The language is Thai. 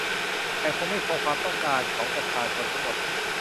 แต่คงไม่พอต่อความต้องการของประชาชนทั้งหมด